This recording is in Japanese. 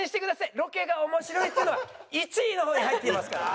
ロケが面白いっていうのは１位の方に入っていますから。